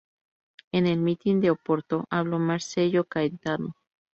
En el mitin de Oporto, habló Marcello Caetano.